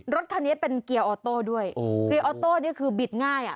รถคันนี้เป็นเกียร์ออโต้ด้วยเกียร์ออโต้นี่คือบิดง่ายอ่ะ